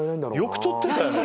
よく撮ってたよね。